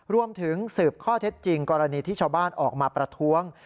รวมถึงสืบข้อเท็จจริงกรณีที่ชาวบ้านออกมาประท้วง